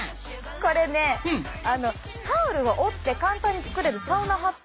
これねタオルを折って簡単に作れるサウナハット！